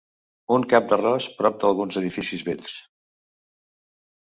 Un cap d'arròs prop d'alguns edificis vells.